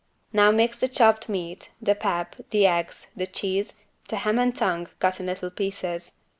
Now mix the chopped meat, the pap, the eggs, the cheese, the ham and tongue cut in little pieces.